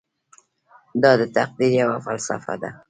دا د تقدیر یوه فلسفه ده.